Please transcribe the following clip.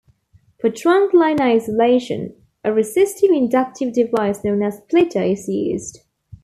For trunk line isolation, a resistive inductive device known as splitter is used.